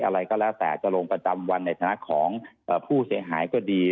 อะไรก็แล้วแต่จะลงประจำวันในฐานะของผู้เสียหายก็ดี